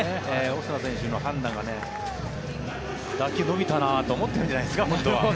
オスナ選手の判断が打球、伸びたなと思ってるんじゃないですか。